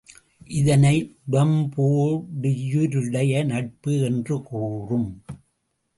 இதனை உடம்போடுயிரிடை நட்பு என்று கூறும்.